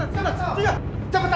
cepet ambil karungnya